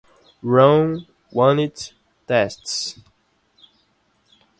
Run unit tests